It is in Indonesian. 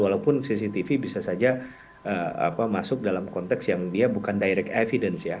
walaupun cctv bisa saja masuk dalam konteks yang dia bukan direct evidence ya